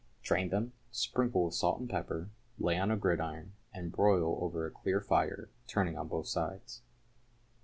Drain them, sprinkle with salt and pepper, lay on a gridiron, and broil over a clear fire, turning on both sides.